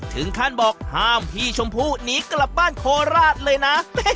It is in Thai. ถึงขั้นบอกห้ามพี่ชมพู่หนีกลับบ้านโคราชเลยนะ